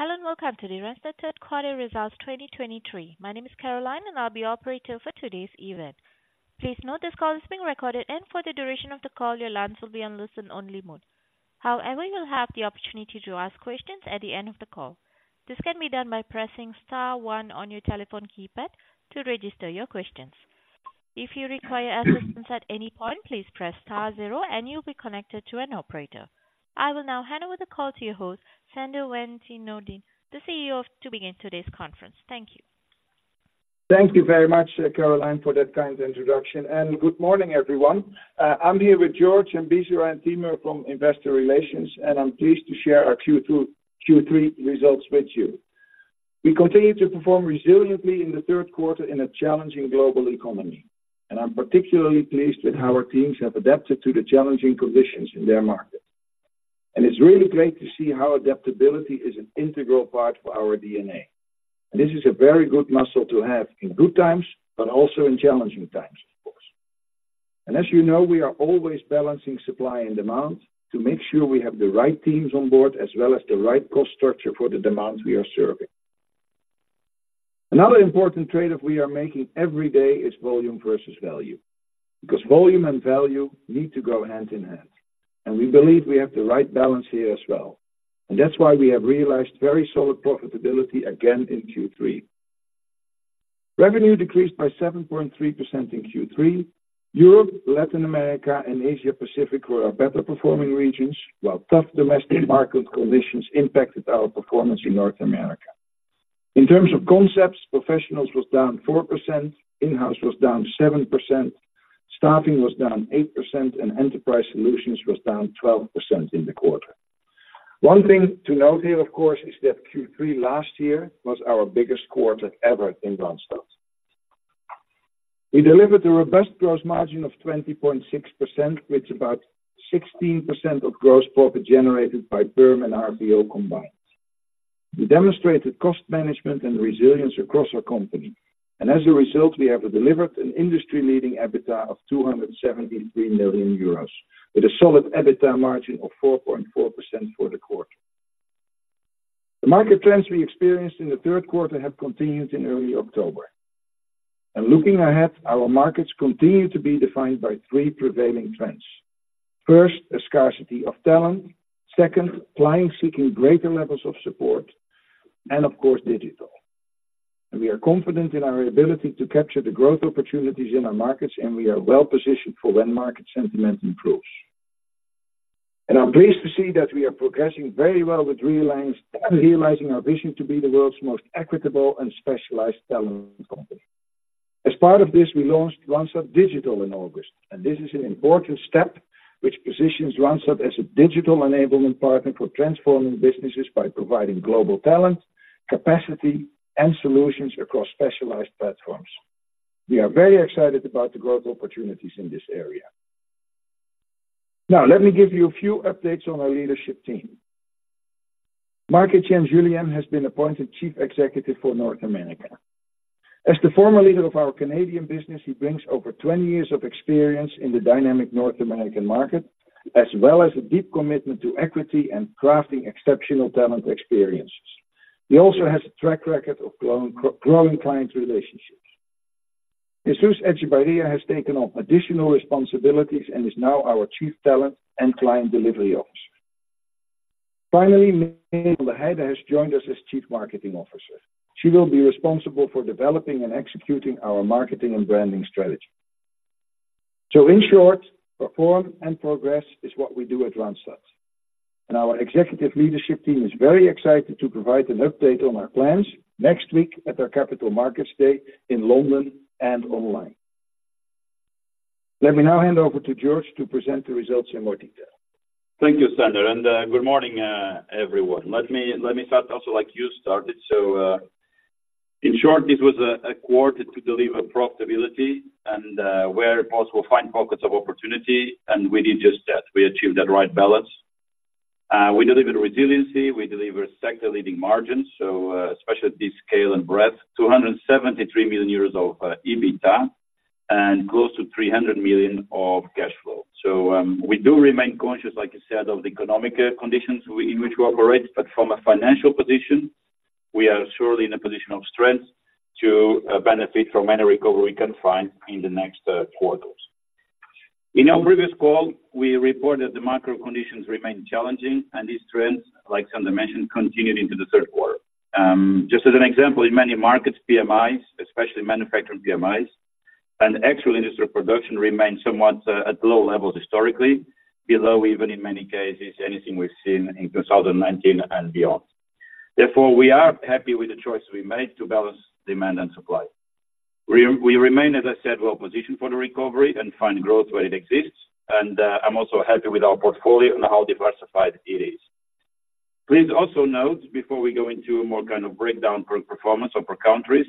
Hello, and welcome to the Randstad Third Quarter Results 2023. My name is Caroline, and I'll be your operator for today's event. Please note this call is being recorded, and for the duration of the call, your lines will be on listen-only mode. However, you'll have the opportunity to ask questions at the end of the call. This can be done by pressing star one on your telephone keypad to register your questions. If you require assistance at any point, please press star zero, and you'll be connected to an operator. I will now hand over the call to your host, Sander van 't Noordende, the CEO, to begin today's conference. Thank you. Thank you very much, Caroline, for that kind introduction, and good morning, everyone. I'm here with Jorge and Bisera and Temur from Investor Relations, and I'm pleased to share our Q2. Q3 results with you. We continue to perform resiliently in the third quarter in a challenging global economy, and I'm particularly pleased with how our teams have adapted to the challenging conditions in their market. It's really great to see how adaptability is an integral part of our DNA. This is a very good muscle to have in good times, but also in challenging times, of course. As you know, we are always balancing supply and demand to make sure we have the right teams on board, as well as the right cost structure for the demands we are serving. Another important trade-off we are making every day is volume versus value, because volume and value need to go hand in hand, and we believe we have the right balance here as well. That's why we have realized very solid profitability again in Q3. Revenue decreased by 7.3% in Q3. Europe, Latin America, and Asia Pacific were our better performing regions, while tough domestic market conditions impacted our performance in North America. In terms of concepts, professionals was down 4%, in-house was down 7%, staffing was down 8%, and enterprise solutions was down 12% in the quarter. One thing to note here, of course, is that Q3 last year was our biggest quarter ever in Randstad. We delivered a robust gross margin of 20.6%, which about 16% of gross profit generated by perm and RPO combined. We demonstrated cost management and resilience across our company, and as a result, we have delivered an industry-leading EBITDA of 273 million euros, with a solid EBITDA margin of 4.4% for the quarter. The market trends we experienced in the third quarter have continued in early October. Looking ahead, our markets continue to be defined by three prevailing trends. First, a scarcity of talent, second, clients seeking greater levels of support, and of course, digital. We are confident in our ability to capture the growth opportunities in our markets, and we are well-positioned for when market sentiment improves. I'm pleased to see that we are progressing very well with realizing our vision to be the world's most equitable and specialized talent company. As part of this, we launched Randstad Digital in August, and this is an important step which positions Randstad as a digital enablement partner for transforming businesses by providing global talent, capacity, and solutions across specialized platforms. We are very excited about the growth opportunities in this area. Now, let me give you a few updates on our leadership team. Marc-Étienne Julien has been appointed Chief Executive for North America. As the former leader of our Canadian business, he brings over 20 years of experience in the dynamic North American market, as well as a deep commitment to equity and crafting exceptional talent experiences. He also has a track record of growing client relationships. Jesus Echevarria has taken on additional responsibilities and is now our Chief Talent and Client Delivery Officer. Finally, Miriam van der Heijden has joined us as Chief Marketing Officer. She will be responsible for developing and executing our marketing and branding strategy. So in short, perform and progress is what we do at Randstad, and our executive leadership team is very excited to provide an update on our plans next week at our Capital Markets Day in London and online. Let me now hand over to Jorge to present the results in more detail. Thank you, Sander, and good morning, everyone. Let me, let me start also like you started. So, in short, this was a, a quarter to deliver profitability and, where possible, find pockets of opportunity, and we did just that. We achieved that right balance. We delivered resiliency, we delivered sector-leading margins, so, especially at this scale and breadth, 273 million euros of EBITDA, and close to 300 million of cash flow. So, we do remain conscious, like you said, of the economic, conditions we, in which we operate, but from a financial position, we are surely in a position of strength to, benefit from any recovery we can find in the next, quarters. In our previous call, we reported the macro conditions remained challenging, and these trends, like Sander mentioned, continued into the third quarter. Just as an example, in many markets, PMIs, especially manufacturing PMIs and actual industry production remains somewhat at low levels historically, below even in many cases, anything we've seen in 2019 and beyond. Therefore, we are happy with the choice we made to balance demand and supply. We remain, as I said, well-positioned for the recovery and find growth where it exists, and I'm also happy with our portfolio and how diversified it is. Please also note, before we go into a more kind of breakdown for performance of our countries,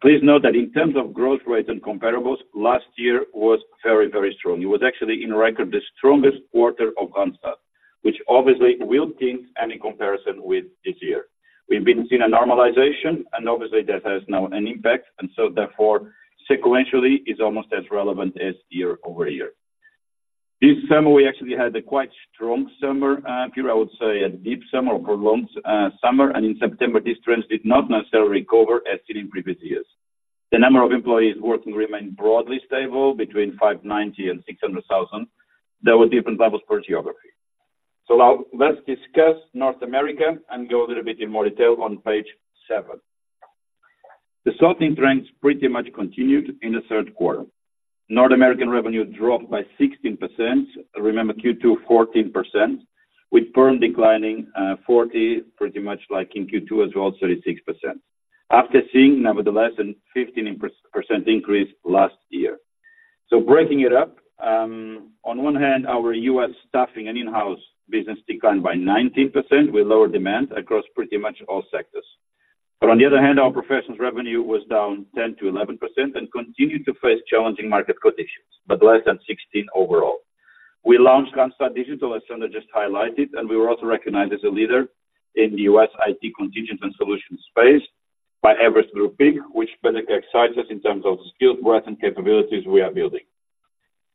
please note that in terms of growth rates and comparables, last year was very, very strong. It was actually in record, the strongest quarter of Randstad, which obviously will taint any comparison with this year. We've been seeing a normalization, and obviously, that has now an impact, and so therefore, sequentially is almost as relevant as year-over-year... This summer, we actually had a quite strong summer period, I would say, a deep summer or prolonged summer, and in September, these trends did not necessarily recover as seen in previous years. The number of employees working remained broadly stable between 590 and 600,000. There were different levels per geography. So now let's discuss North America and go a little bit in more detail on page 7. The softening trends pretty much continued in the third quarter. North American revenue dropped by 16%, remember Q2, 14%, with perm declining 40, pretty much like in Q2 as well, 36%. After seeing, nevertheless, a 15% increase last year. So breaking it up, on one hand, our US staffing and in-house business declined by 19%, with lower demand across pretty much all sectors. But on the other hand, our professionals revenue was down 10%-11% and continued to face challenging market conditions, but less than 16% overall. We launched Randstad Digital, as Sander just highlighted, and we were also recognized as a leader in the US IT contingent and solution space by Everest Group Inc, which better excites us in terms of skilled breadth and capabilities we are building.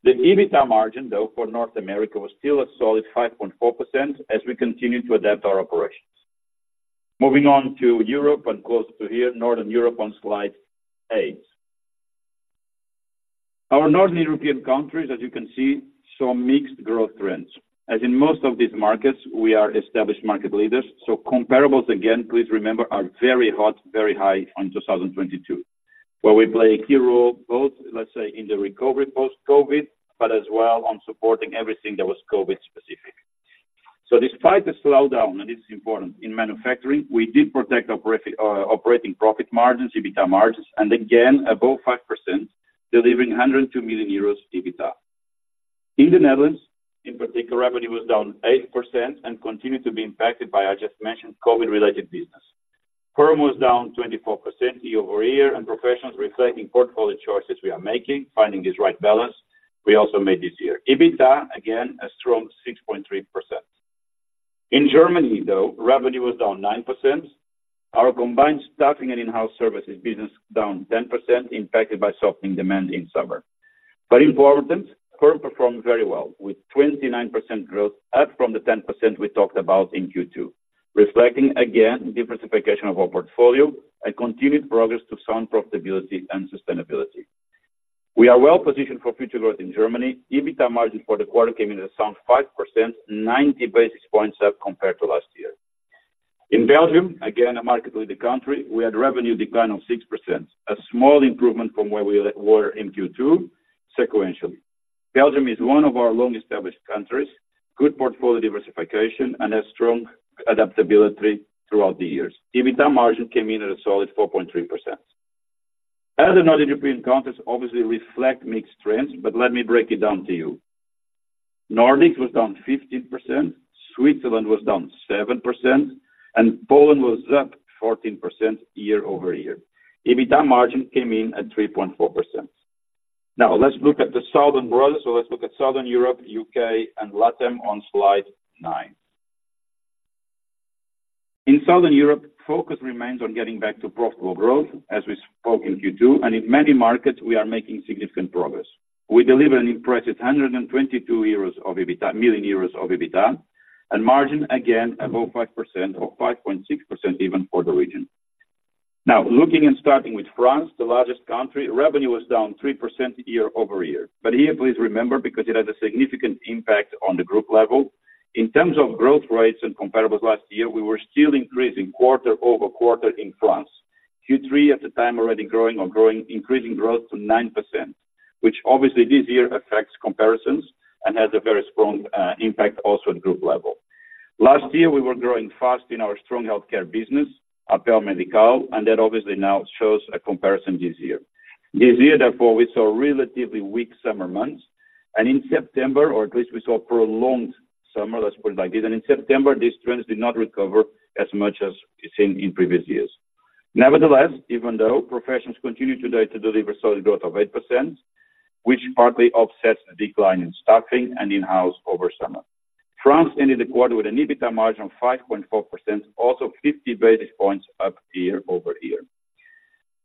The EBITDA margin, though, for North America, was still a solid 5.4% as we continue to adapt our operations. Moving on to Europe and close to here, Northern Europe on slide eight. Our Northern European countries, as you can see, saw mixed growth trends. As in most of these markets, we are established market leaders, so comparables, again, please remember, are very hot, very high in 2022, where we play a key role, both, let's say, in the recovery post-COVID, but as well on supporting everything that was COVID-specific. So despite the slowdown, and this is important, in manufacturing, we did protect operating profit margins, EBITDA margins, and again, above 5%, delivering 102 million euros EBITDA. In the Netherlands, in particular, revenue was down 8% and continued to be impacted by, I just mentioned, COVID-related business. Perm was down 24% year-over-year, and professionals reflecting portfolio choices we are making, finding this right balance we also made this year. EBITDA, again, a strong 6.3%. In Germany, though, revenue was down 9%. Our combined staffing and in-house services business down 10%, impacted by softening demand in summer. But importantly, perm performed very well, with 29% growth, up from the 10% we talked about in Q2, reflecting again, diversification of our portfolio and continued progress to sound profitability and sustainability. We are well positioned for future growth in Germany. EBITDA margin for the quarter came in at solid 5%, 90 basis points up compared to last year. In Belgium, again, a market-leading country, we had revenue decline of 6%, a small improvement from where we were in Q2 sequentially. Belgium is one of our long-established countries, good portfolio diversification, and has strong adaptability throughout the years. EBITDA margin came in at a solid 4.3%. Other Northern European countries obviously reflect mixed trends, but let me break it down to you. Nordics was down 15%, Switzerland was down 7%, and Poland was up 14% year-over-year. EBITDA margin came in at 3.4%. Now, let's look at Southern Europe, UK, and LATAM on slide 9. In Southern Europe, focus remains on getting back to profitable growth, as we spoke in Q2, and in many markets, we are making significant progress. We delivered an impressive 122 million euros of EBITDA, and margin, again, above 5% or 5.6% even for the region. Now, looking and starting with France, the largest country, revenue was down 3% year-over-year. But here, please remember, because it has a significant impact on the group level, in terms of growth rates and comparables last year, we were still increasing quarter-over-quarter in France. Q3 at the time, already growing or growing, increasing growth to 9%, which obviously this year affects comparisons and has a very strong impact also at group level. Last year, we were growing fast in our strong healthcare business, Appel Médical, and that obviously now shows a comparison this year. This year, therefore, we saw relatively weak summer months, and in September, or at least we saw prolonged summer, let's put it like this, and in September, these trends did not recover as much as we've seen in previous years. Nevertheless, even though professionals continue today to deliver solid growth of 8%, which partly offsets the decline in staffing and in-house over summer. France ended the quarter with an EBITDA margin of 5.4%, also 50 basis points up year-over-year.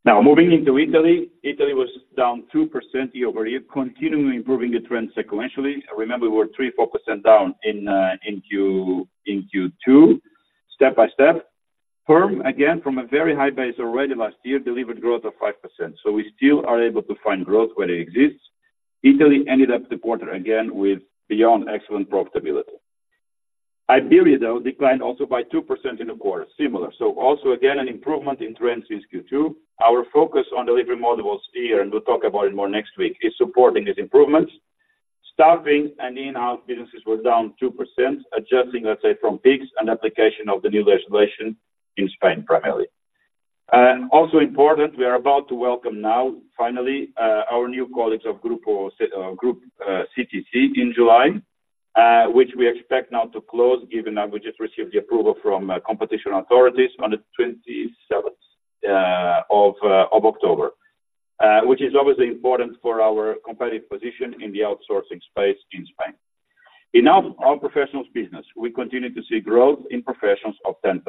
Now, moving into Italy. Italy was down 2% year-over-year, continuing improving the trend sequentially. Remember, we were 3%-4% down in Q2, step by step. Perm, again, from a very high base already last year, delivered growth of 5%. So we still are able to find growth where it exists. Italy ended up the quarter again with beyond excellent profitability. Iberia, though, declined also by 2% in the quarter, similar. So also, again, an improvement in trends since Q2. Our focus on delivery models here, and we'll talk about it more next week, is supporting these improvements. Staffing and in-house businesses were down 2%, adjusting, let's say, from peaks and application of the new legislation in Spain, primarily. And also important, we are about to welcome now, finally, our new colleagues of Grupo CTC in July, which we expect now to close, given that we just received the approval from competition authorities on the twenty-seventh of October, which is obviously important for our competitive position in the outsourcing space in Spain. In our professionals business, we continue to see growth in professionals of 10%.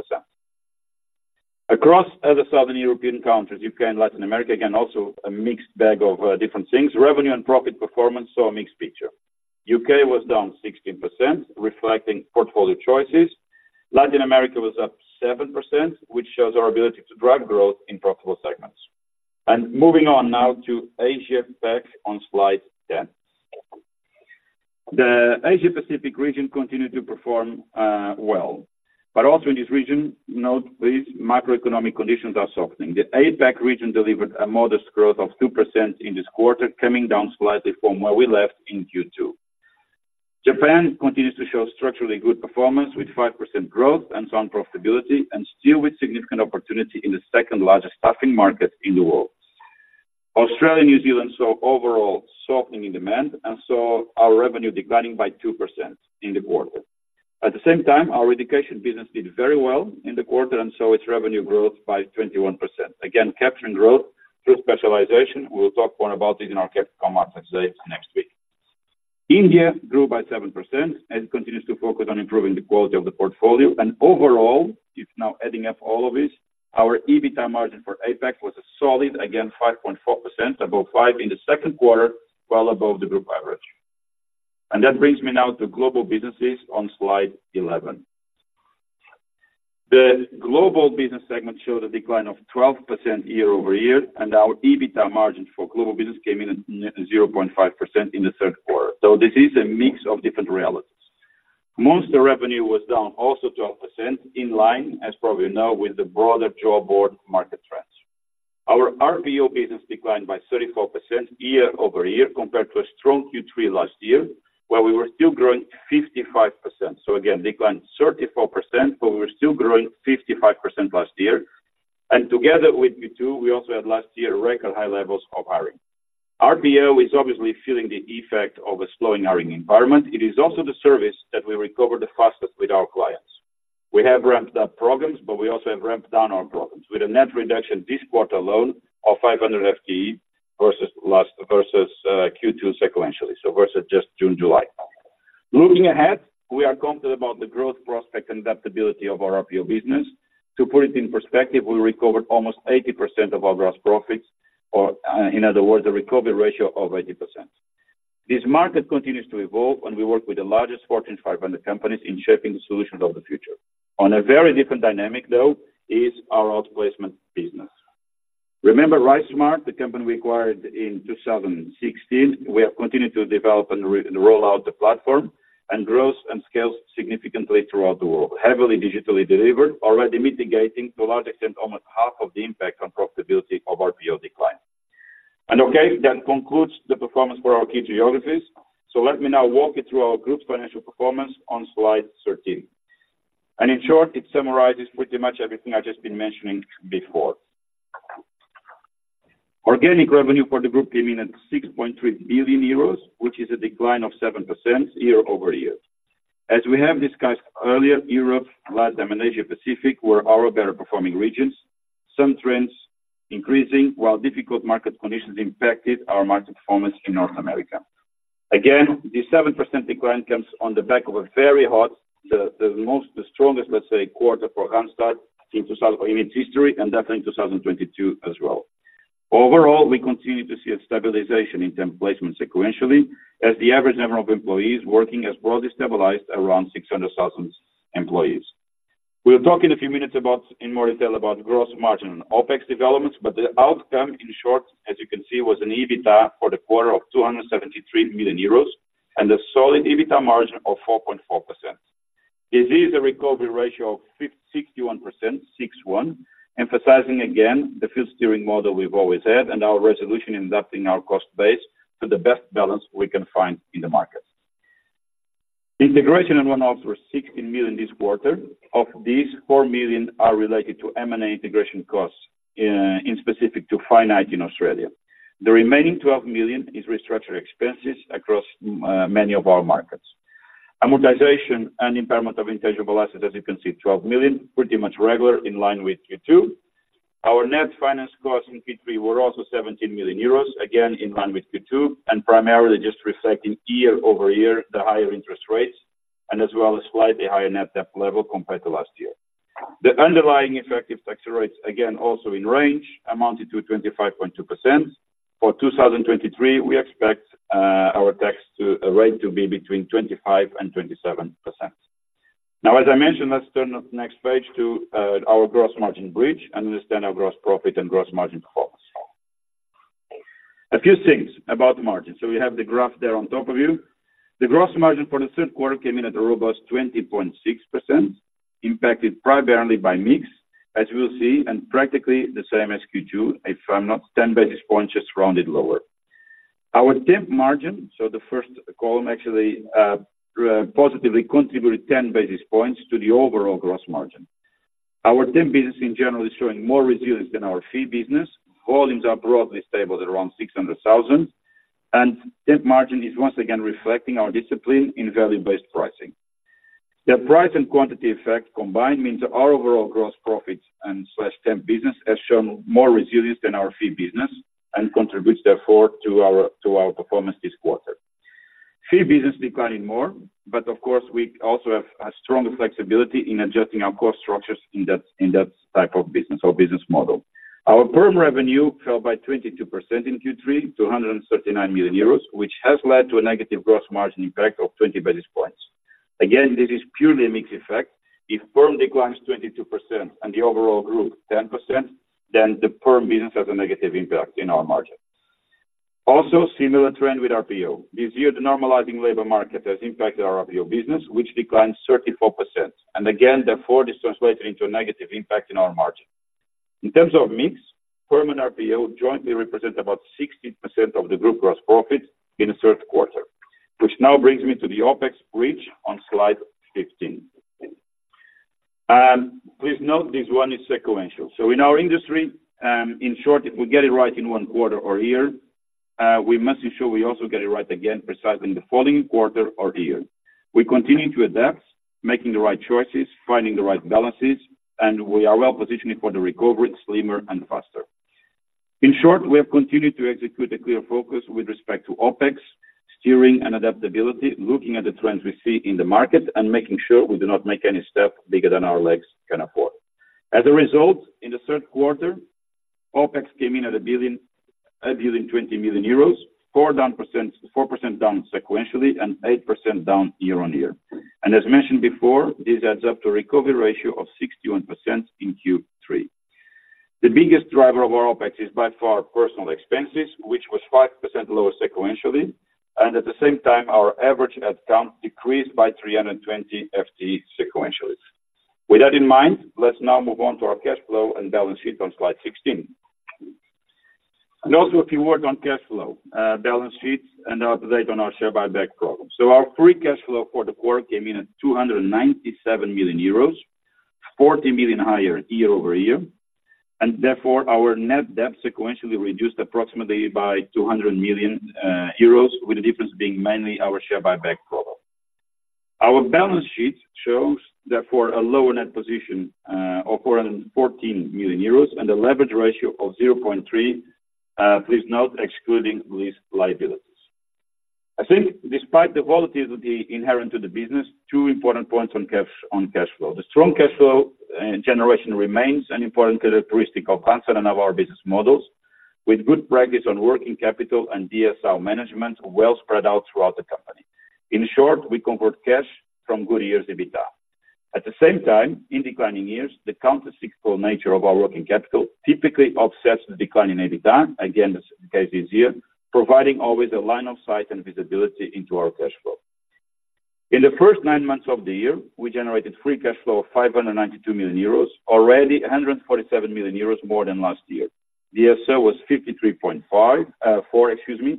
Across other Southern European countries, UK and Latin America, again, also a mixed bag of different things. Revenue and profit performance saw a mixed picture. UK was down 16%, reflecting portfolio choices. Latin America was up 7%, which shows our ability to drive growth in profitable segments. And moving on now to Asia Pac on slide 10. The Asia Pacific region continued to perform well, but also in this region, note please, macroeconomic conditions are softening. The APAC region delivered a modest growth of 2% in this quarter, coming down slightly from where we left in Q2. Japan continues to show structurally good performance, with 5% growth and strong profitability, and still with significant opportunity in the second-largest staffing market in the world. Australia, New Zealand saw overall softening in demand and saw our revenue declining by 2% in the quarter. At the same time, our education business did very well in the quarter and saw its revenue growth by 21%. Again, capturing growth through specialization. We will talk more about it in our Capital Markets Day next week. India grew by 7% and continues to focus on improving the quality of the portfolio. Overall, if now adding up all of this, our EBITDA margin for APAC was a solid, again, 5.4%, above 5% in the second quarter, well above the group average. That brings me now to global businesses on slide 11. The global business segment showed a decline of 12% year-over-year, and our EBITDA margin for global business came in at negative 0.5% in the third quarter. So this is a mix of different realities. Monster revenue was down also 12%, in line, as probably you know, with the broader job board market trends. Our RPO business declined by 34% year-over-year compared to a strong Q3 last year, where we were still growing 55%. So again, declined 34%, but we were still growing 55% last year. And together with Q2, we also had last year record high levels of hiring. RPO is obviously feeling the effect of a slowing hiring environment. It is also the service that we recover the fastest with our clients. We have ramped up programs, but we also have ramped down our programs, with a net reduction this quarter alone of 500 FTE versus Q2 sequentially, so versus just June, July. Looking ahead, we are confident about the growth prospect and adaptability of our RPO business. To put it in perspective, we recovered almost 80% of our gross profits, or, in other words, a recovery ratio of 80%. This market continues to evolve, and we work with the largest Fortune 500 companies in shaping the solutions of the future. On a very different dynamic, though, is our outplacement business. Remember RiseSmart, the company we acquired in 2016? We have continued to develop and and roll out the platform and growth and scaled significantly throughout the world, heavily digitally delivered, already mitigating to a large extent, almost half of the impact on profitability of our RPO decline. Okay, that concludes the performance for our key geographies. So let me now walk you through our group's financial performance on slide 13. In short, it summarizes pretty much everything I've just been mentioning before. Organic revenue for the group came in at 6.3 billion euros, which is a decline of 7% year-over-year. As we have discussed earlier, Europe, LATAM, and Asia Pacific were our better performing regions. Some trends increasing, while difficult market conditions impacted our market performance in North America. Again, the 7% decline comes on the back of a very hot, the most, the strongest, let's say, quarter for Randstad in 2000 in its history, and definitely in 2022 as well. Overall, we continue to see a stabilization in temp placement sequentially, as the average number of employees working has broadly stabilized around 600,000 employees. We'll talk in a few minutes about... in more detail about gross margin and OpEx developments, but the outcome, in short, as you can see, was an EBITDA for the quarter of 273 million euros and a solid EBITDA margin of 4.4%. This is a recovery ratio of 61%, six one, emphasizing again the field steering model we've always had and our resolution in adapting our cost base to the best balance we can find in the market. Integration and one-offs were 16 million this quarter. Of these, 4 million are related to M&A integration costs, in specific to Finite in Australia. The remaining 12 million is restructuring expenses across many of our markets. Amortization and impairment of intangible assets, as you can see, 12 million, pretty much regular, in line with Q2. Our net finance costs in Q3 were also 17 million euros, again, in line with Q2, and primarily just reflecting year-over-year, the higher interest rates and as well as slightly higher net debt level compared to last year. The underlying effective tax rates, again, also in range, amounted to 25.2%. For 2023, we expect, our tax to, rate to be between 25% and 27%. Now, as I mentioned, let's turn the next page to our gross margin bridge and understand our gross profit and gross margin performance. A few things about the margin. So we have the graph there on top of you. The gross margin for the third quarter came in at a robust 20.6%, impacted primarily by mix, as you will see, and practically the same as Q2, if I'm not 10 basis points, just rounded lower. Our temp margin, so the first column, actually positively contributed 10 basis points to the overall gross margin. Our temp business in general is showing more resilience than our fee business. Volumes are broadly stable at around 600,000, and temp margin is once again reflecting our discipline in value-based pricing. The price and quantity effect combined means our overall gross profit and slash temp business has shown more resilience than our fee business and contributes therefore to our, to our performance this quarter. Fee business declining more, but of course, we also have a strong flexibility in adjusting our cost structures in that, in that type of business or business model. Our perm revenue fell by 22% in Q3 to 139 million euros, which has led to a negative gross margin impact of 20 basis points. Again, this is purely a mixed effect. If perm declines 22% and the overall group 10%, then the perm business has a negative impact in our margin. Also, similar trend with RPO. This year, the normalizing labor market has impacted our RPO business, which declined 34%. And again, therefore, this translated into a negative impact in our margin. In terms of mix, perm and RPO jointly represent about 60% of the group gross profit in the third quarter, which now brings me to the OpEx bridge on slide 15. Please note this one is sequential. So in our industry, in short, if we get it right in one quarter or year, we must ensure we also get it right again, precisely in the following quarter or year. We continue to adapt, making the right choices, finding the right balances, and we are well positioned for the recovery, slimmer and faster. In short, we have continued to execute a clear focus with respect to OpEx, steering and adaptability, looking at the trends we see in the market, and making sure we do not make any step bigger than our legs can afford. As a result, in the third quarter, OpEx came in at 1.02 billion, 4% down sequentially and 8% down year-on-year. And as mentioned before, this adds up to a recovery ratio of 61% in Q3. The biggest driver of our OpEx is by far personal expenses, which was 5% lower sequentially, and at the same time, our average head count decreased by 320 FTE sequentially. With that in mind, let's now move on to our cash flow and balance sheet on slide 16. And also, a few words on cash flow, balance sheets and update on our share buyback program. Our free cash flow for the quarter came in at 297 million euros, 40 million higher year-over-year, and therefore our net debt sequentially reduced approximately by 200 million, euros, with the difference being mainly our share buyback program. Our balance sheet shows therefore a lower net position, of 414 million euros and a leverage ratio of 0.3, please note, excluding these liabilities. I think despite the volatility inherent to the business, two important points on cash, on cash flow. The strong cash flow, generation remains an important characteristic of concept and of our business models, with good practice on working capital and DSO management well spread out throughout the company. In short, we convert cash from good years EBITDA. At the same time, in declining years, the countercyclical nature of our working capital typically offsets the decline in EBITDA, again, as the case this year, providing always a line of sight and visibility into our cash flow. In the first nine months of the year, we generated free cash flow of 592 million euros, already 147 million euros more than last year. DSO was 53.4, excuse me,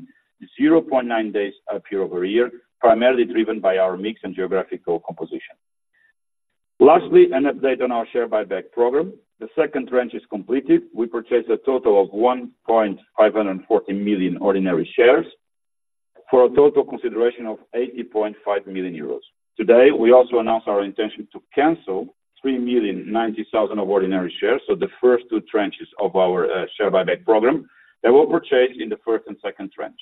53.9 days up year-over-year, primarily driven by our mix and geographical composition. Lastly, an update on our share buyback program. The second tranche is completed. We purchased a total of 1.54 million ordinary shares for a total consideration of 80.5 million euros. Today, we also announced our intention to cancel 3,090,000 ordinary shares, so the first two tranches of our share buyback program that were purchased in the first and second tranche.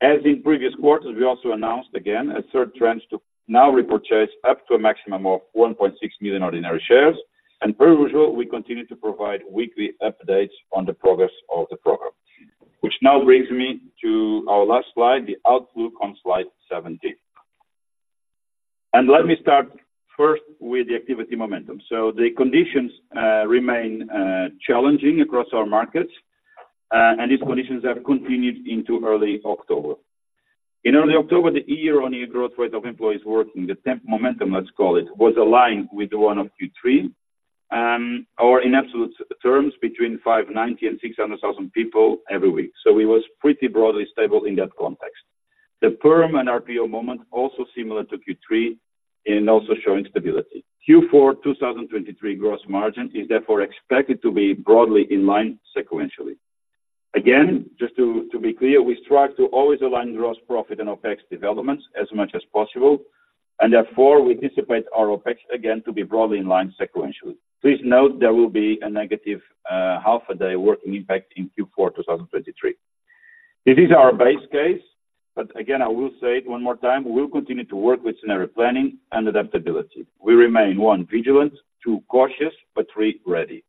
As in previous quarters, we also announced again a third tranche to now repurchase up to a maximum of 1.6 million ordinary shares, and per usual, we continue to provide weekly updates on the progress of the program. Which now brings me to our last slide, the outlook on slide 17. And let me start first with the activity momentum. So the conditions remain challenging across our markets, and these conditions have continued into early October. In early October, the year-on-year growth rate of employees working, the temp momentum, let's call it, was aligned with the one of Q3, or in absolute terms, between 590 and 600,000 people every week. So it was pretty broadly stable in that context. The perm and RPO momentum, also similar to Q3, and also showing stability. Q4 2023 gross margin is therefore expected to be broadly in line sequentially. Again, just to, to be clear, we strive to always align gross profit and OpEx developments as much as possible, and therefore we anticipate our OpEx again to be broadly in line sequentially. Please note there will be a negative half a day working impact in Q4 2023. It is our base case, but again, I will say it one more time: We will continue to work with scenario planning and adaptability. We remain, one, vigilant, two, cautious, but three, ready.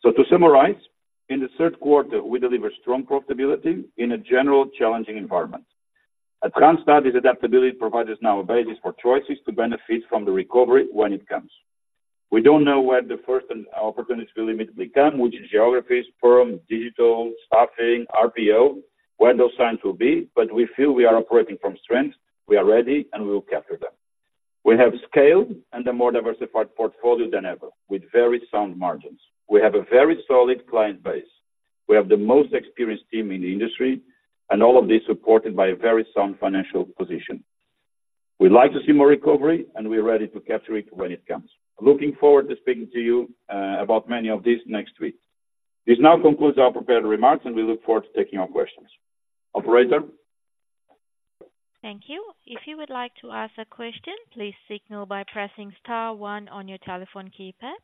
So to summarize, in the third quarter, we delivered strong profitability in a general challenging environment. At Randstad, this adaptability provides us now a basis for choices to benefit from the recovery when it comes. We don't know where the first opportunities will immediately come, which geographies, perm, digital, staffing, RPO, where those signs will be, but we feel we are operating from strength. We are ready, and we will capture them. We have scaled and a more diversified portfolio than ever, with very sound margins. We have a very solid client base. We have the most experienced team in the industry, and all of this supported by a very sound financial position. We'd like to see more recovery, and we are ready to capture it when it comes. Looking forward to speaking to you about many of these next week. This now concludes our prepared remarks, and we look forward to taking your questions. Operator? Thank you. If you would like to ask a question, please signal by pressing star one on your telephone keypad.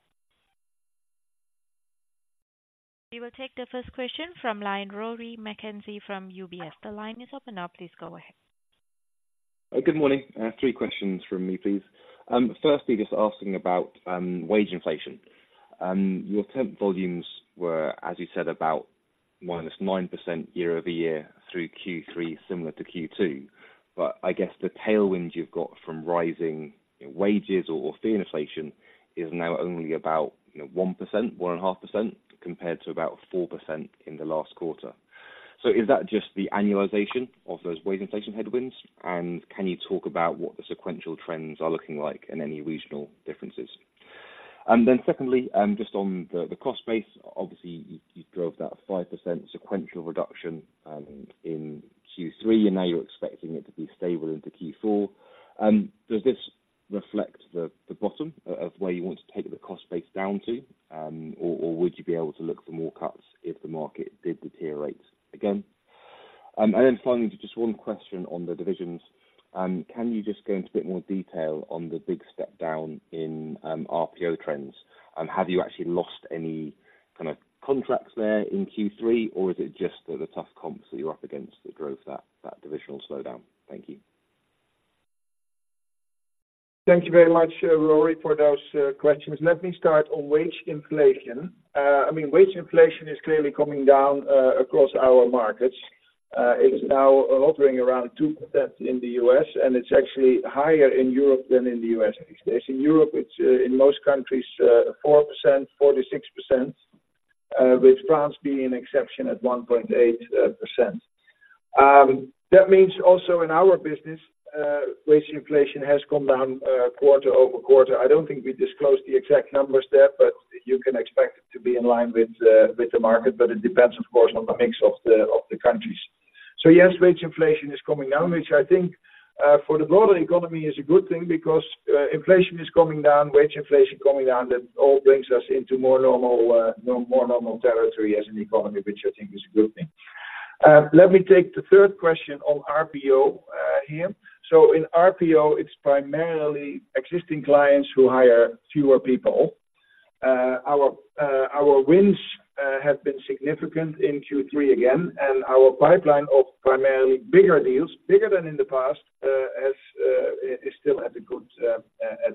We will take the first question from line, Rory McKenzie from UBS. The line is open now, please go ahead. Good morning. I have three questions from me, please. Firstly, just asking about wage inflation. Your temp volumes were, as you said, about -9% year-over-year through Q3, similar to Q2. But I guess the tailwinds you've got from rising wages or fee inflation is now only about, you know, 1%, 1.5%, compared to about 4% in the last quarter. So is that just the annualization of those wage inflation headwinds? And can you talk about what the sequential trends are looking like and any regional differences? Then secondly, just on the cost base. Obviously, you drove that 5% sequential reduction in Q3, and now you're expecting it to be stable into Q4. Does this reflect the bottom of where you want to take the cost base down to? Would you be able to look for more cuts if the market did deteriorate again? And then finally, just one question on the divisions. Can you just go into a bit more detail on the big step down in RPO trends? And have you actually lost any kind of contracts there in Q3, or is it just the tough comps that you're up against that drove that divisional slowdown? Thank you. Thank you very much, Rory, for those questions. Let me start on wage inflation. I mean, wage inflation is clearly coming down across our markets. It's now hovering around 2% in the U.S., and it's actually higher in Europe than in the U.S. these days. In Europe, it's in most countries 4%-6%, with France being an exception at 1.8%. That means also in our business wage inflation has come down quarter-over-quarter. I don't think we disclosed the exact numbers there, but you can expect it to be in line with the market, but it depends, of course, on the mix of the countries. So yes, wage inflation is coming down, which I think, for the global economy is a good thing because, inflation is coming down, wage inflation coming down, that all brings us into more normal, more normal territory as an economy, which I think is a good thing. Let me take the third question on RPO here. So in RPO, it's primarily existing clients who hire fewer people. Our wins have been significant in Q3 again, and our pipeline of primarily bigger deals, bigger than in the past, is still at a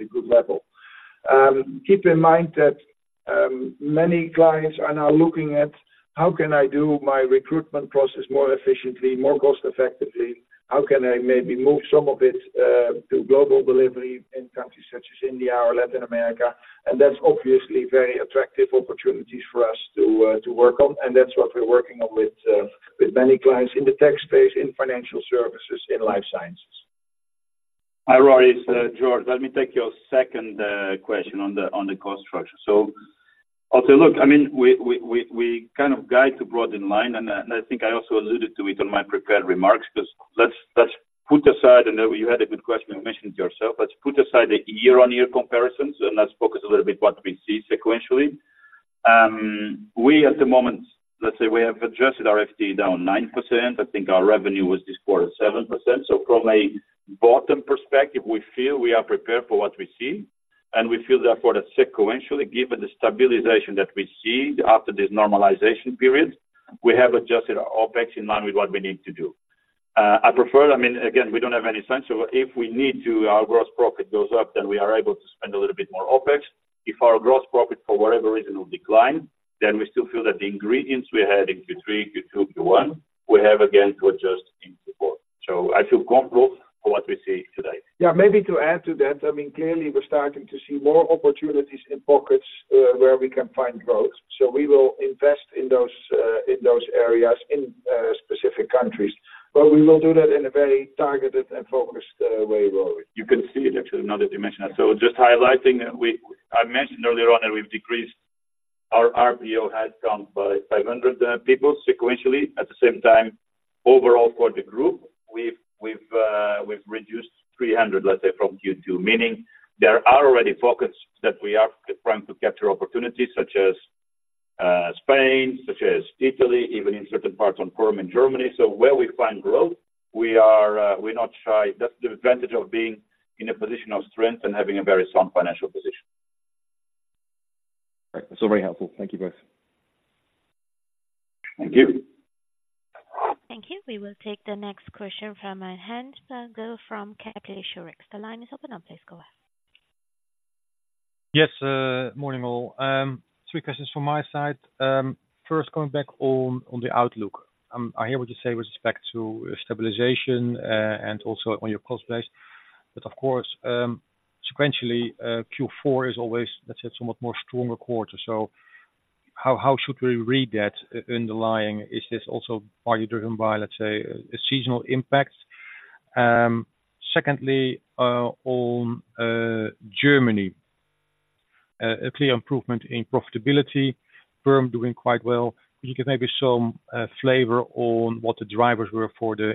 good level. Keep in mind that many clients are now looking at: How can I do my recruitment process more efficiently, more cost-effectively? How can I maybe move some of it to global delivery in countries such as India or Latin America? That's obviously very attractive opportunities for us to work on, and that's what we're working on with many clients in the tech space, in financial services, in life sciences. Hi, Rory, it's Jorge. Let me take your second question on the cost structure. So I'll say, look, I mean, we kind of guide to broadly in line, and I think I also alluded to it in my prepared remarks, because let's put aside. I know you had a good question. You mentioned it yourself. Let's put aside the year-on-year comparisons, and let's focus a little bit what we see sequentially. At the moment, let's say we have adjusted our FTE down 9%. I think our revenue was this quarter, 7%. So from a bottom-line perspective, we feel we are prepared for what we see, and we feel therefore, that sequentially, given the stabilization that we see after this normalization period, we have adjusted our OpEx in line with what we need to do. I prefer, I mean, again, we don't have any sense, so if we need to, our gross profit goes up, then we are able to spend a little bit more OpEx. If our gross profit for whatever reason will decline, then we still feel that the ingredients we had in Q3, Q2, Q1, we have again to adjust into four. So I feel comfortable for what we see today. Yeah, maybe to add to that, I mean, clearly we're starting to see more opportunities in pockets where we can find growth. So we will invest in those in those areas in specific countries. But we will do that in a very targeted and focused way, Rory. You can see it actually, now that you mention it. So just highlighting, I mentioned earlier on that we've decreased our RPO headcount by 500 people sequentially. At the same time, overall for the group, we've reduced 300, let's say, from Q2, meaning there are already pockets that we are trying to capture opportunities, such as Spain, such as Italy, even in certain parts on perm in Germany. So where we find growth, we're not shy. That's the advantage of being in a position of strength and having a very strong financial position. Great. So very helpful. Thank you both. Thank you. Thank you. We will take the next question from Hans Pluijgers from Kepler Cheuvreux. The line is open now, please go ahead. Yes, morning, all. Three questions from my side. First, going back on the outlook. I hear what you say with respect to stabilization and also on your cost base. But of course, sequentially, Q4 is always, let's say, somewhat more stronger quarter. So how should we read that underlying? Is this also partly driven by, let's say, seasonal impacts? Secondly, on Germany, a clear improvement in profitability, perm doing quite well. You give maybe some flavor on what the drivers were for the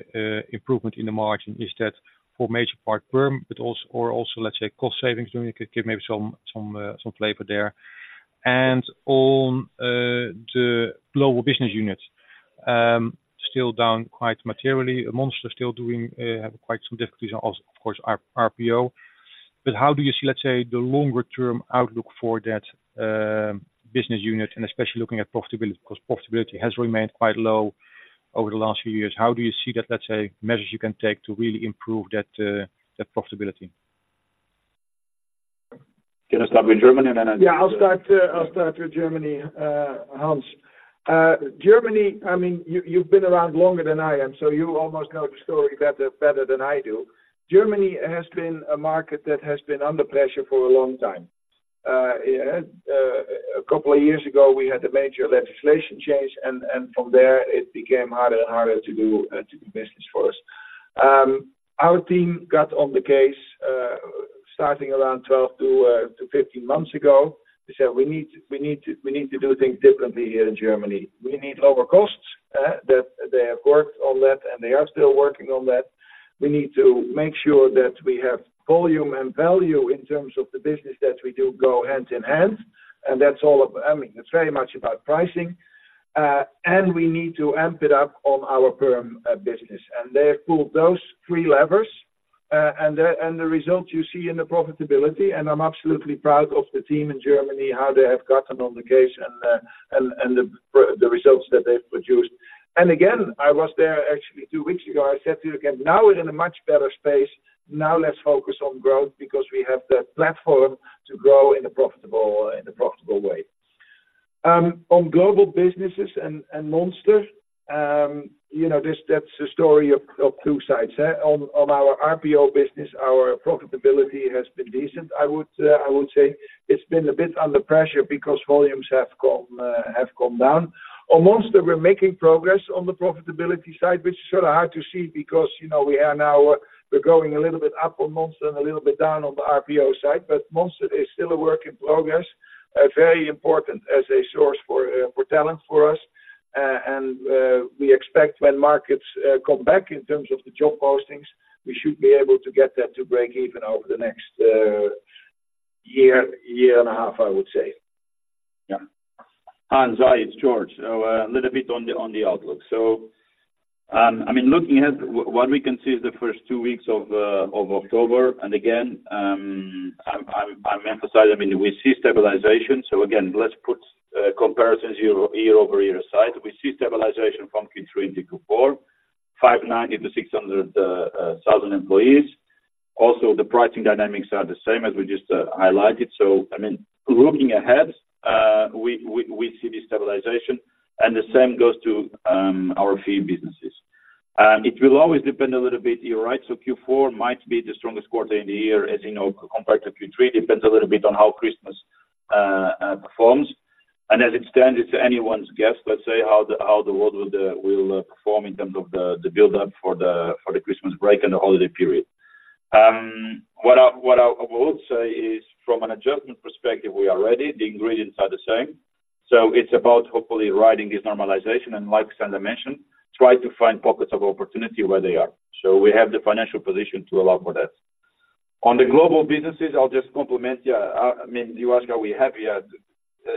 improvement in the margin. Is that for major part perm, but also or also, let's say, cost savings? Maybe give some flavor there. On the global business unit, still down quite materially, Monster still doing have quite some difficulties, of course, our RPO. But how do you see, let's say, the longer term outlook for that, business unit, and especially looking at profitability? Because profitability has remained quite low over the last few years. How do you see that, let's say, measures you can take to really improve that, that profitability? Can I start with Germany, and then I- Yeah, I'll start, I'll start with Germany, Hans. Germany, I mean, you, you've been around longer than I am, so you almost know the story better, better than I do. Germany has been a market that has been under pressure for a long time. A couple of years ago, we had a major legislation change, and from there it became harder and harder to do business for us. Our team got on the case, starting around 12-15 months ago. They said, "We need to, we need to, we need to do things differently here in Germany. We need lower costs," that they have worked on that, and they are still working on that. We need to make sure that we have volume and value in terms of the business that we do go hand in hand, and that's all of... I mean, it's very much about pricing, and we need to amp it up on our perm business. They pulled those three levers, and the results you see in the profitability, and I'm absolutely proud of the team in Germany, how they have gotten on the case and the results that they've produced. Again, I was there actually two weeks ago. I said to you again, "Now we're in a much better space. Now let's focus on growth because we have the platform to grow in a profitable way." On global businesses and, and Monster, you know, this- that's a story of two sides, eh? On our RPO business, our profitability has been decent, I would, I would say. It's been a bit under pressure because volumes have gone, have come down. On Monster, we're making progress on the profitability side, which is sort of hard to see because, you know, we are now, we're growing a little bit up on Monster and a little bit down on the RPO side, but Monster is still a work in progress, very important as a source for, for talent for us. And we expect when markets come back in terms of the job postings, we should be able to get that to break even over the next year, year and a half, I would say. Yeah. Hans, hi, it's Jorge. So, a little bit on the outlook. So, I mean, looking at what we can see is the first two weeks of October, and again, I emphasize, I mean, we see stabilization. So again, let's put comparisons year-over-year aside. We see stabilization from Q3 into Q4, 590-600 thousand employees. Also, the pricing dynamics are the same as we just highlighted. So I mean, looking ahead, we see this stabilization, and the same goes to our fee businesses. It will always depend a little bit, you're right, so Q4 might be the strongest quarter in the year, as you know, compared to Q3. Depends a little bit on how Christmas performs. As it stands, it's anyone's guess, let's say, how the world will perform in terms of the build-up for the Christmas break and the holiday period. What I will also say is from an adjustment perspective, we are ready. The ingredients are the same. So it's about hopefully riding this normalization, and like Sander mentioned, try to find pockets of opportunity where they are. So we have the financial position to allow for that. On the global businesses, I'll just compliment you. I mean, you ask, are we happy yet.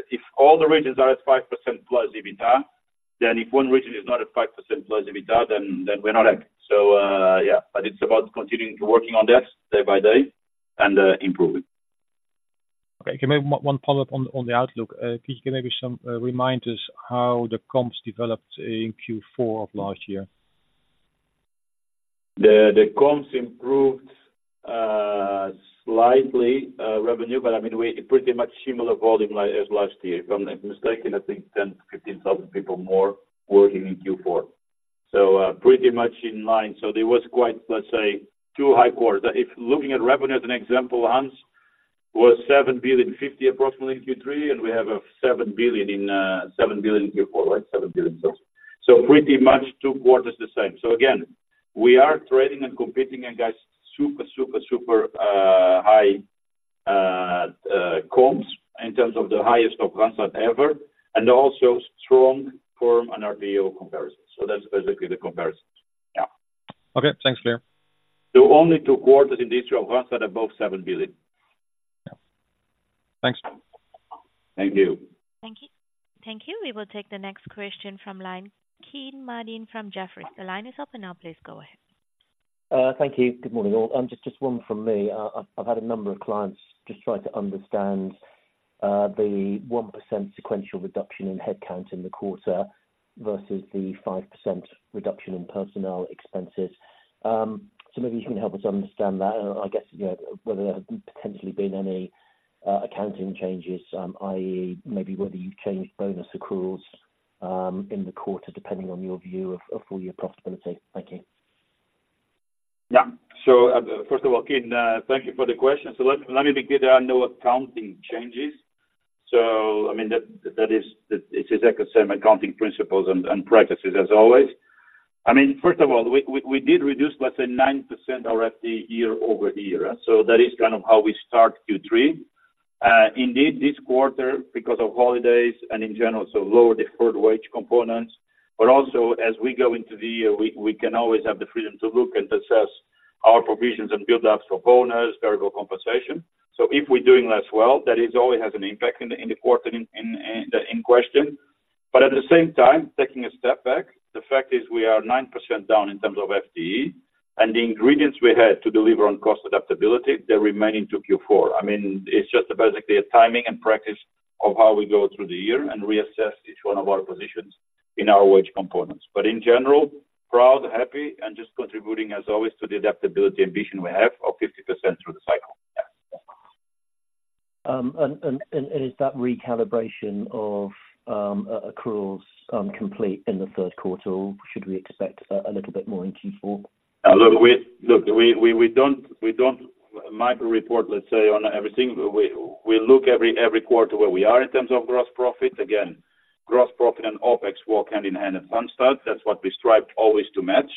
If all the regions are at 5%+ EBITDA, then if one region is not at 5%+ EBITDA, then we're not happy. So, yeah, but it's about continuing to working on that day by day and improving. Okay, can maybe one follow-up on the outlook. Can you give maybe some remind us how the comps developed in Q4 of last year? The comps improved slightly revenue, but I mean, we pretty much similar volume like as last year. If I'm not mistaken, I think 10-15 thousand people more working in Q4. So pretty much in line. So there was quite, let's say, two high quarters. If looking at revenue as an example, Hans, was 7.05 billion approximately in Q3, and we have 7 billion in, 7 billion in Q4, right? 7 billion. So pretty much two quarters the same. So again, we are trading and competing against super, super, super high comps in terms of the highest comps ever, and also strong Perm and RPO comparisons. So that's basically the comparisons. Yeah. Okay, thanks. Clear. Only 2 quarters in the history of Hans that are above 7 billion. Yeah. Thanks. Thank you. Thank you. Thank you. We will take the next question from line, Kean Marden from Jefferies. The line is open now, please go ahead. Thank you. Good morning, all. Just one from me. I've had a number of clients just trying to understand the 1% sequential reduction in headcount in the quarter versus the 5% reduction in personnel expenses. So maybe you can help us understand that, and I guess, you know, whether there have been potentially any accounting changes, i.e., maybe whether you've changed bonus accruals in the quarter, depending on your view of full year profitability. Thank you. Yeah. So, first of all, Kean, thank you for the question. So let me be clear, there are no accounting changes. So I mean, that is, it's exactly same accounting principles and practices as always. I mean, first of all, we did reduce, let's say, 9% our FTE year-over-year, so that is kind of how we start Q3. Indeed, this quarter, because of holidays and in general, so lower deferred wage components, but also as we go into the year, we can always have the freedom to look and assess our provisions and build-ups for bonus, variable compensation. So if we're doing less well, that always has an impact in the quarter in question.... But at the same time, taking a step back, the fact is we are 9% down in terms of FTE, and the ingredients we had to deliver on cost adaptability, they remain into Q4. I mean, it's just basically a timing and practice of how we go through the year and reassess each one of our positions in our wage components. But in general, proud, happy, and just contributing as always to the adaptability ambition we have of 50% through the cycle. Yeah. Is that recalibration of accruals complete in the third quarter, or should we expect a little bit more in Q4? Look, we don't micro report, let's say, on everything. We look every quarter where we are in terms of gross profit. Again, gross profit and OpEx walk hand-in-hand at Randstad. That's what we strive always to match.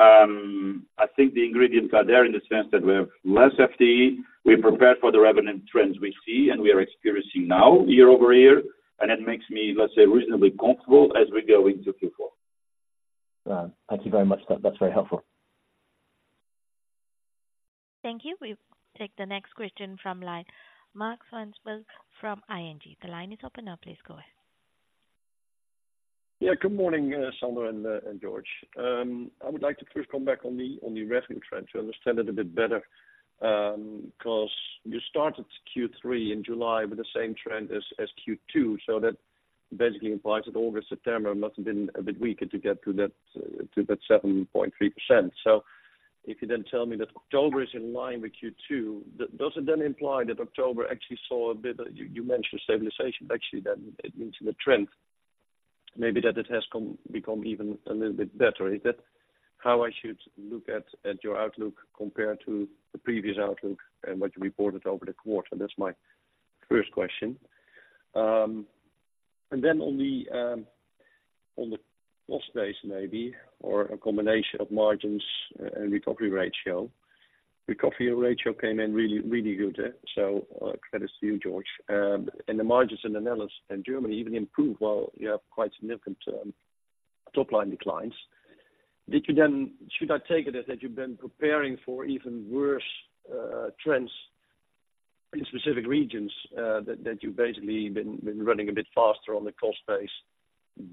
I think the ingredients are there in the sense that we have less FTE. We're prepared for the revenue trends we see, and we are experiencing now year-over-year, and it makes me, let's say, reasonably comfortable as we go into Q4. Thank you very much. That, that's very helpful. Thank you. We take the next question from line, Marc Zwartsenburg from ING. The line is open now, please go ahead. Yeah, good morning, Sander and Jorge. I would like to first come back on the revenue trend to understand it a bit better, 'cause you started Q3 in July with the same trend as Q2, so that basically implies that August, September must have been a bit weaker to get to that 7.3%. So if you then tell me that October is in line with Q2, does it then imply that October actually saw a bit of... You mentioned stabilization, actually, then into the trend, maybe that it has become even a little bit better. Is that how I should look at your outlook compared to the previous outlook and what you reported over the quarter? That's my first question. And then on the cost base maybe, or a combination of margins and recovery ratio. Recovery ratio came in really, really good, so, credits to you, Jorge. And the margins in the Netherlands and Germany even improved while you have quite significant top-line declines. Did you then? Should I take it as that you've been preparing for even worse trends in specific regions, that you've basically been running a bit faster on the cost base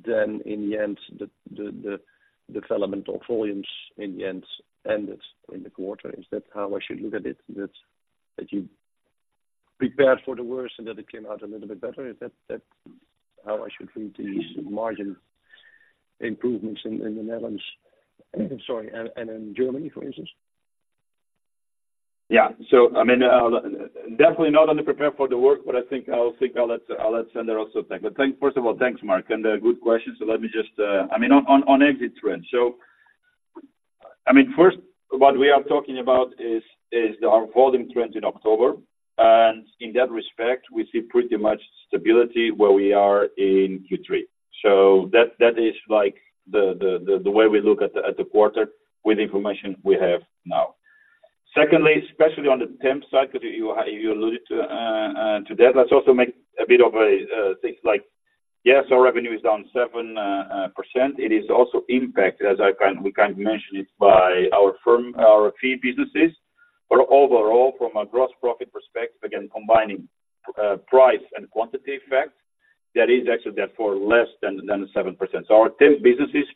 than in the end, the development of volumes in the end ended in the quarter? Is that how I should look at it, that you prepared for the worst and that it came out a little bit better? Is that how I should read these margin improvements in the Netherlands, sorry, and in Germany, for instance? Yeah. I mean, definitely not only prepared for the work, but I think I'll let Sander also thank. First of all, thanks, Mark, and good question. Let me just, I mean, on exit trends. What we are talking about is our volume trends in October, and in that respect, we see pretty much stability where we are in Q3. That is like the way we look at the quarter with information we have now. Secondly, especially on the temp side, because you alluded to that, let's also make a bit of a, things like, yes, our revenue is down 7%. It is also impacted, as I kind of—we kind of mentioned it, by our firm, our fee businesses. But overall, from a gross profit perspective, again, combining price and quantity effects, that is actually therefore less than the 7%. So our temp businesses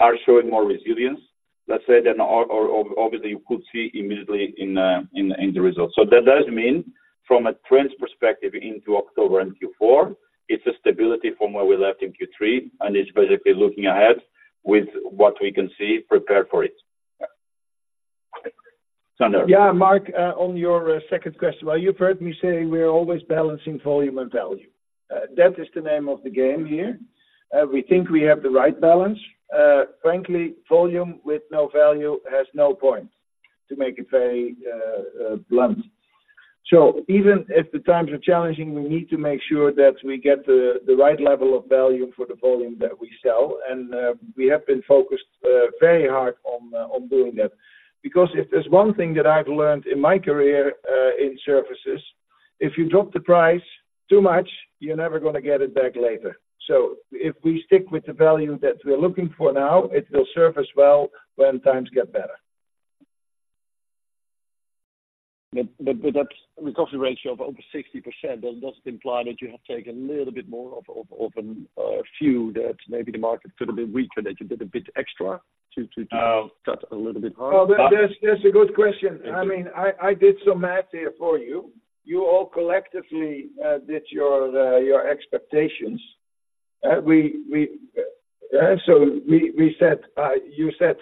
are showing more resilience, let's say, than obviously you could see immediately in the results. So that does mean from a trends perspective into October and Q4, it's a stability from where we left in Q3, and it's basically looking ahead with what we can see, prepare for it. Yeah. Sander? Yeah, Mark, on your second question, well, you've heard me say we are always balancing volume and value. That is the name of the game here. We think we have the right balance. Frankly, volume with no value has no point, to make it very blunt. So even if the times are challenging, we need to make sure that we get the right level of value for the volume that we sell, and we have been focused very hard on doing that. Because if there's one thing that I've learned in my career in services, if you drop the price too much, you're never gonna get it back later. So if we stick with the value that we're looking for now, it will serve us well when times get better. But that's a recovery ratio of over 60%, then does it imply that you have taken a little bit more of a few, that maybe the market could have been weaker, that you did a bit extra to- Uh. Cut a little bit hard? Well, that's, that's a good question. Thank you. I mean, I did some math here for you. You all collectively did your expectations. We said, you said,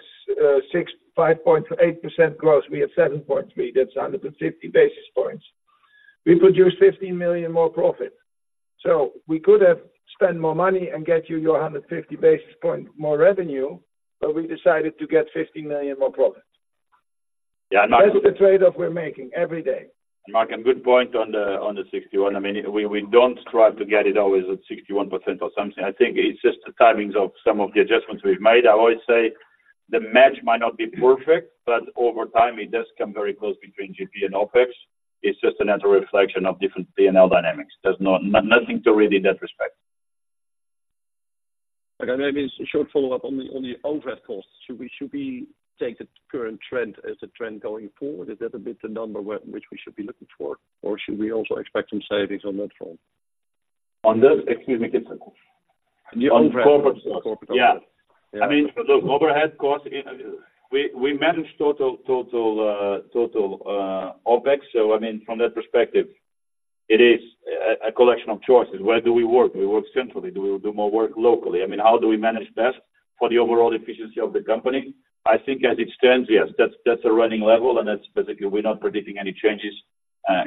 5.8% growth. We have 7.3. That's 150 basis points. We produced 15 million more profit, so we could have spent more money and get you your 150 basis point more revenue, but we decided to get 15 million more profit. Yeah, Mark- That's the trade-off we're making every day. Mark, and good point on the 61. I mean, we don't strive to get it always at 61% or something. I think it's just the timings of some of the adjustments we've made. I always say the match might not be perfect, but over time, it does come very close between GP and OpEx. It's just a natural reflection of different P&L dynamics. There's nothing to read in that respect. Okay, maybe a short follow-up on the overhead costs. Should we take the current trend as a trend going forward? Is that the number which we should be looking for, or should we also expect some savings on that front? On the, excuse me, get the cost. The overhead cost. Yeah. I mean, look, overhead costs, we manage total OpEx. So I mean, from that perspective, it is a collection of choices. Where do we work? Do we work centrally? Do we do more work locally? I mean, how do we manage best for the overall efficiency of the company? I think as it stands, yes, that's a running level, and that's basically we're not predicting any changes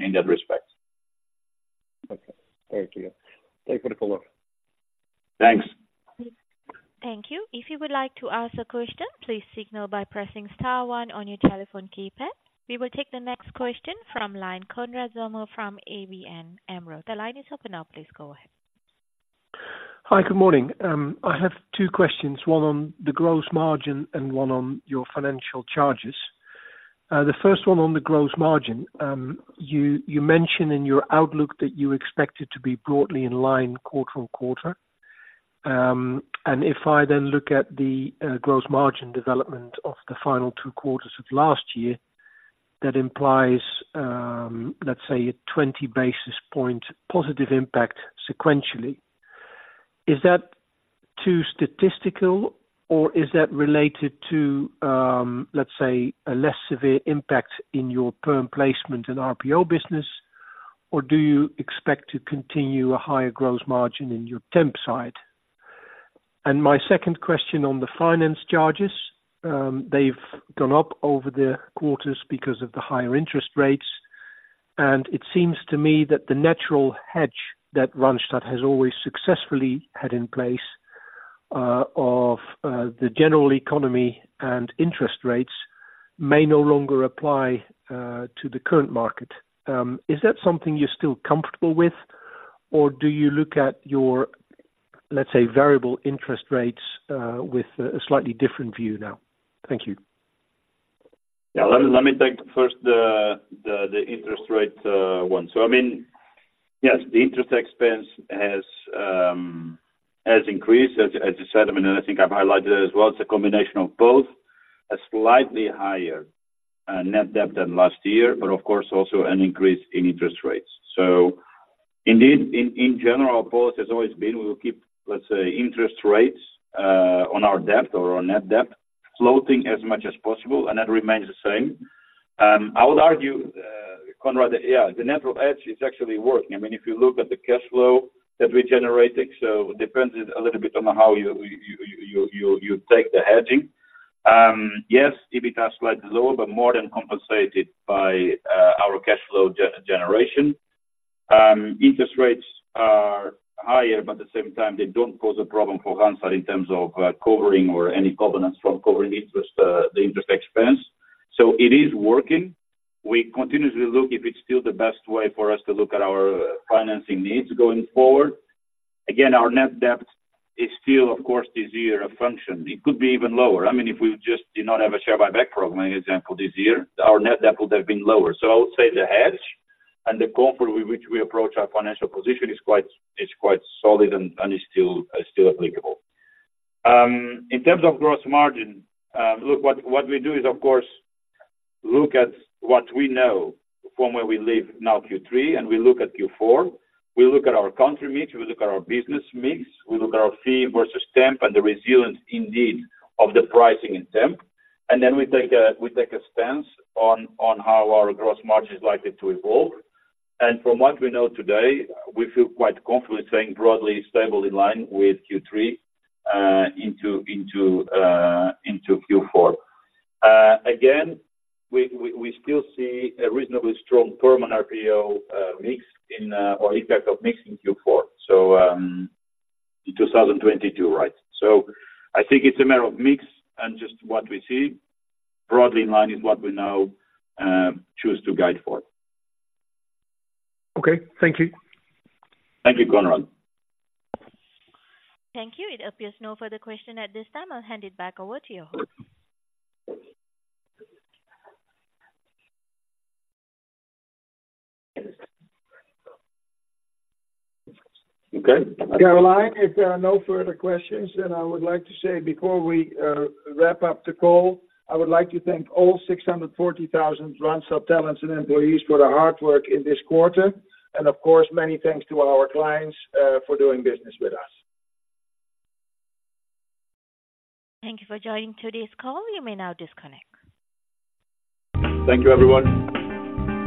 in that respect. Okay. Thank you. Thank you for the call. Thanks. Thank you. If you would like to ask a question, please signal by pressing star one on your telephone keypad. We will take the next question from Konrad Zomer from ABN AMRO. The line is open now, please go ahead. Hi, good morning. I have two questions, one on the gross margin and one on your financial charges. The first one on the gross margin. You mentioned in your outlook that you expected to be broadly in line quarter on quarter. And if I then look at the gross margin development of the final two quarters of last year, that implies, let's say, a 20 basis point positive impact sequentially. Is that too statistical, or is that related to, let's say, a less severe impact in your perm placement and RPO business? Or do you expect to continue a higher gross margin in your temp side? And my second question on the finance charges. They've gone up over the quarters because of the higher interest rates, and it seems to me that the natural hedge that Randstad has always successfully had in place, of the general economy and interest rates may no longer apply, to the current market. Is that something you're still comfortable with, or do you look at your, let's say, variable interest rates, with a slightly different view now? Thank you. Yeah. Let me take first the interest rate one. So I mean, yes, the interest expense has increased, as you said, and I think I've highlighted it as well. It's a combination of both a slightly higher net debt than last year, but of course, also an increase in interest rates. So indeed, in general, our policy has always been we will keep, let's say, interest rates on our debt or on net debt, floating as much as possible, and that remains the same. I would argue, Konrad, that, yeah, the natural hedge is actually working. I mean, if you look at the cash flow that we generated, so depends a little bit on how you take the hedging. Yes, EBITDA is slightly lower, but more than compensated by our cash flow generation. Interest rates are higher, but at the same time, they don't cause a problem for Randstad in terms of covering or any covenants from covering interest, the interest expense. So it is working. We continuously look if it's still the best way for us to look at our financing needs going forward. Again, our net debt is still, of course, this year, a function. It could be even lower. I mean, if we just did not have a share buyback program, for example, this year, our net debt would have been lower. So I would say the hedge and the comfort with which we approach our financial position is quite, it's quite solid and, and is still, still applicable. In terms of gross margin, look, what we do is, of course, look at what we know from where we leave now, Q3, and we look at Q4. We look at our country mix, we look at our business mix, we look at our fee versus temp and the resilience indeed, of the pricing in temp. And then we take a stance on how our gross margin is likely to evolve. And from what we know today, we feel quite confident saying broadly stable in line with Q3 into Q4. Again, we still see a reasonably strong permanent RPO mix in or impact of mix in Q4. So, in 2022, right. So I think it's a matter of mix and just what we see. Broadly in line is what we now choose to guide for. Okay. Thank you. Thank you, Konrad. Thank you. It appears no further question at this time. I'll hand it back over to you. Okay. Caroline, if there are no further questions, then I would like to say before we wrap up the call, I would like to thank all 640,000 Randstad talents and employees for their hard work in this quarter. Of course, many thanks to our clients for doing business with us. Thank you for joining today's call. You may now disconnect. Thank you, everyone.